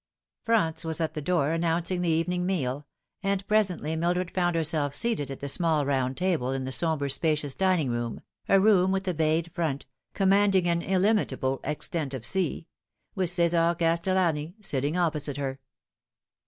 Franz was at the door, announcing the evening meal, and presently Mildred found herself seated at the small round table in the sombre spacious dining room a room with a bayed front, commanding an illimitable extent of sea with Cesar Castellani sitting opposite her.